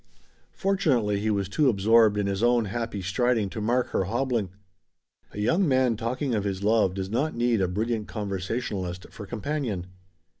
Fortunately he was too absorbed in his own happy striding to mark her hobbling. A young man talking of his love does not need a brilliant conversationalist for companion.